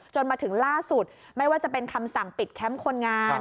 มาถึงล่าสุดไม่ว่าจะเป็นคำสั่งปิดแคมป์คนงาน